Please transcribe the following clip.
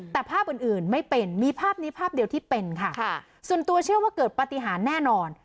แต่ภาพอื่นอื่นไม่เป็นมีภาพนี้ภาพเดียวที่เป็นค่ะส่วนตัวเชื่อว่าเกิดปฏิหารแน่นอน